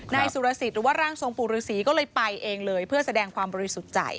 นายสุรสิทธิ์หรือว่าร่างทรงปู่ฤษีก็เลยไปเองเลยเพื่อแสดงความบริสุทธิ์ใจ